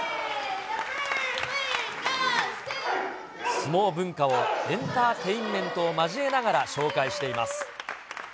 相撲文化をエンターテインメントを交えながら紹介しています。